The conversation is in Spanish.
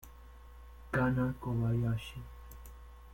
Kana Kobayashi